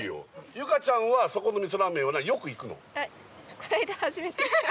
唯花ちゃんはそこの味噌ラーメンはよく行くの？